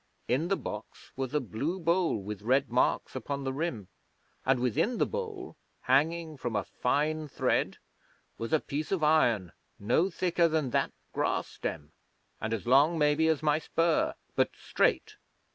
In the box was a blue bowl with red marks upon the rim, and within the bowl, hanging from a fine thread, was a piece of iron no thicker than that grass stem, and as long, maybe, as my spur, but straight.